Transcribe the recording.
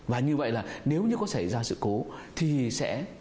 và như vậy là nếu như có xảy ra sự cố thì sẽ